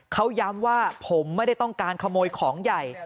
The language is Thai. เขาย้ำว่าผมไม่ได้ต้องการขโมยของใหญ่